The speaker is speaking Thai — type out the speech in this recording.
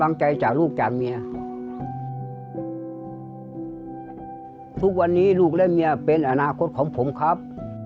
คุณผู้ชมครับเกมต่อชีวิตในวันนี้จะเป็นอย่างไรเราไปชมพร้อมกันครับ